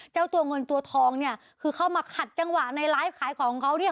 เจ้าตัวเงินตัวทองเนี่ยคือเข้ามาขัดจังหวะในไลฟ์ขายของเขาเนี่ย